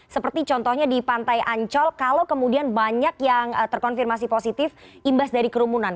seperti contohnya di pantai ancol kalau kemudian banyak yang terkonfirmasi positif imbas dari kerumunan